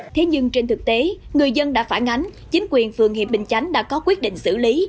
thế nhưng trên thực tế người dân đã phản ánh chính quyền phường hiệp bình chánh đã có quyết định xử lý